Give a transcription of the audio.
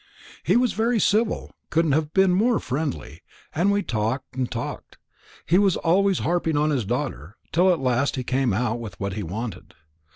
"He was very civil, couldn't have been more friendly, and we talked and talked; he was always harping on his daughter; till at last he came out with what he wanted.